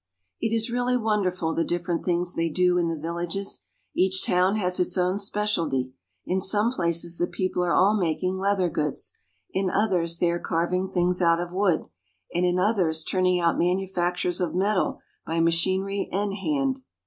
It is really wonderful, the different things they do in the villages. Each town has its own specialty. In some places the people are all making leather goods, in others they are carving things out of wood, and in others turning out manufactures of metal by machinery and hand.